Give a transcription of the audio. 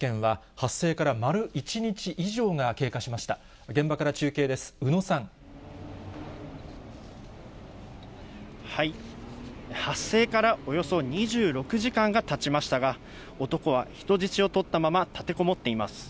発生からおよそ２６時間がたちましたが、男は人質を取ったまま立てこもっています。